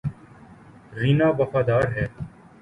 رینا وفادار ہے